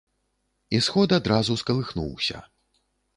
І сход адразу скалыхнуўся.